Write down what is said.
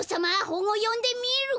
ほんをよんでみる！